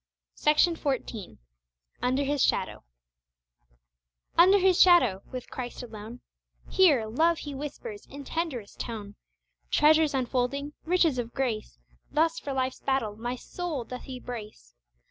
Cevilia Havergal Under His Shadow "Under His shadow," with Christ alone Here, love He whispers in tenderest tone, Treasures unfolding, riches of grace Thus for life's battle my soul doth He brace.